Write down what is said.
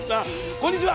こんにちは！